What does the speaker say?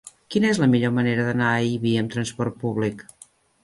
Quina és la millor manera d'anar a Ibi amb transport públic?